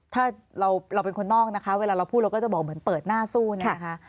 ถ้าเราเป็นคนนอกนะคะเวลาเราพูดเราก็จะบอกเหมือนเปิดหน้าสู้เนี่ยนะคะ